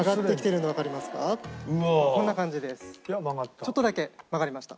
ちょっとだけ曲がりました。